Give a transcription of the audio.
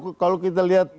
kan kalau kita lihat